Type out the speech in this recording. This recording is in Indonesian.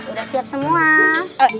udah siap semua